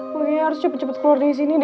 pokoknya harus cepet cepet keluar dari sini deh